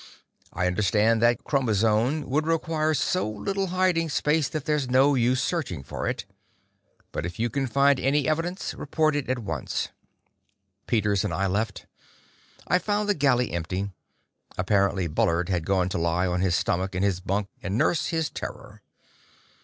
I understand that chromazone would require so little hiding space that there's no use searching for it. But if you can find any evidence, report it at once." Peters and I left. I found the galley empty. Apparently Bullard had gone to lie on his stomach in his bunk and nurse his terror.